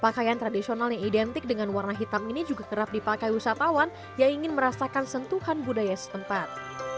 pakaian tradisional yang identik dengan warna hitam ini juga kerap dipakai wisatawan yang ingin merasakan sentuhan budaya setempat